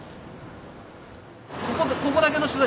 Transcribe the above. ここだけの取材？